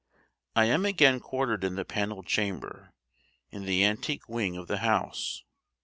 I am again quartered in the panelled chamber, in the antique wing of the house.